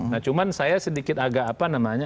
nah cuman saya sedikit agak apa namanya